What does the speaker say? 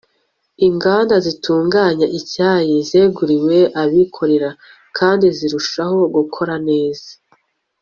inganda zitunganya icyayi zeguriwe abikorera kandi zirushaho gukora neza